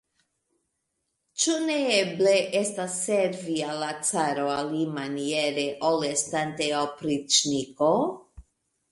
Ĉu ne eble estas servi al la caro alimaniere, ol estante opriĉniko?